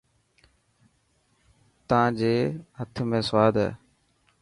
تان جي هٿ ۾ سواد هي.